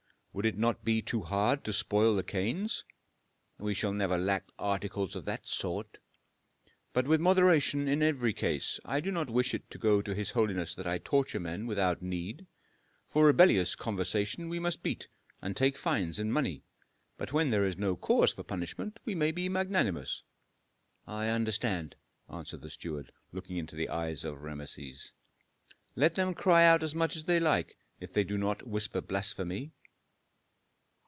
"Would it not be too bad to spoil the canes?" "We shall never lack articles of that sort." "But with moderation in every case. I do not wish it to go to his holiness that I torture men without need. For rebellious conversation we must beat and take fines in money, but when there is no cause for punishment we may be magnanimous." "I understand," answered the steward, looking into the eyes of Rameses. "Let them cry out as much as they like if they do not whisper blasphemy."